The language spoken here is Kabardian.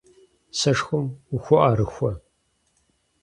Сэшхуэм ухуэӀэрыхуэ?